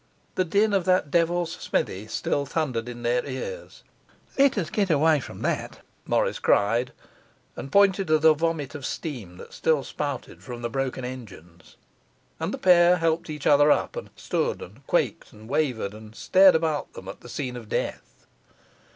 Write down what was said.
The din of that devil's smithy still thundered in their ears. 'Let us get away from that,' Morris cried, and pointed to the vomit of steam that still spouted from the broken engines. And the pair helped each other up, and stood and quaked and wavered and stared about them at the scene of death.